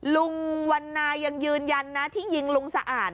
ลุงวันนายังยืนยันนะที่ยิงลุงสะอาด